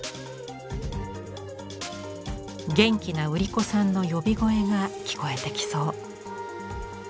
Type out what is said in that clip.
元気な売り子さんの呼び声が聞こえてきそう。